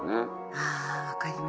あ分かります。